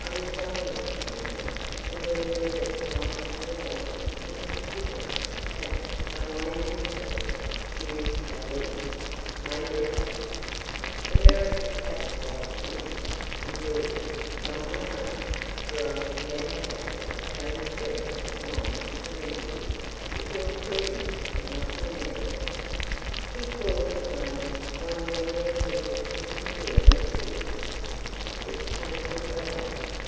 I resign you, Emily, and will endeavour to find consolation in considering, that, though I am miserable, you, at least, may be happy. The merit of the sacrifice is, indeed, not my own, for I should never have attained strength of mind to surrender you, if your prudence had not demanded it." He paused a moment, while Emily attempted to conceal the tears, which came to her eyes.